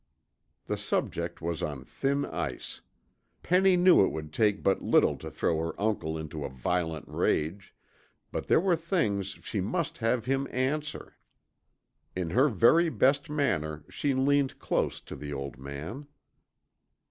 The subject was on thin ice. Penny knew it would take but little to throw her uncle into a violent rage, but there were things she must have him answer. In her very best manner she leaned close to the old man.